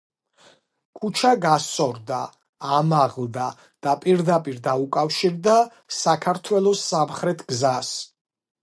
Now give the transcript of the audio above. ქუჩა გასწორდა, ამაღლდა და პირდაპირ დაუკავშირდა საქართველოს სამხრეთ გზას.